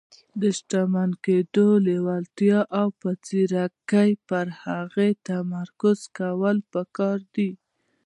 د شتمن کېدو لېوالتیا او په ځيرکۍ پر هغې تمرکز کول پکار دي.